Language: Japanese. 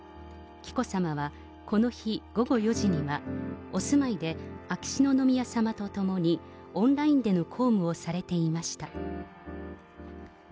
紀子さまは、この日午後４時には、お住まいで秋篠宮さまと共にオンラインでの公務をされていました。